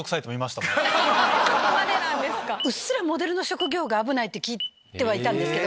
うっすらモデルの職業が危ないって聞いてたんですけど。